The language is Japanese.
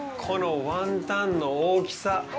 このワンタンの大きさ。